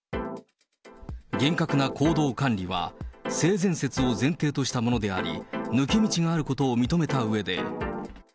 厳格な行動管理は、性善説を前提としたものであり、抜け道があることを認めたうえで。